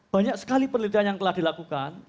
banyak sekali penelitian yang telah dilakukan